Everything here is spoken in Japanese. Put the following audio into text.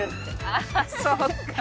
あそうか。